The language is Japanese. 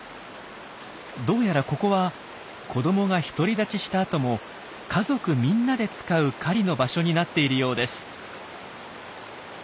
どうやらここは子どもが独り立ちした後も家族みんなで使う狩りの場所になっているようです。